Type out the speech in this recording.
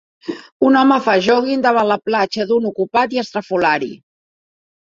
Un home fa jòguing davant la platja d'un ocupat i estrafolari